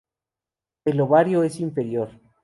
El ovario es inferior.